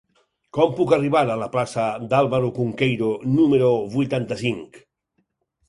Com puc arribar a la plaça d'Álvaro Cunqueiro número vuitanta-cinc?